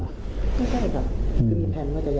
ไม่ใช่ครับคือมีแผนที่จะย้ายไปอยู่ที่นั่น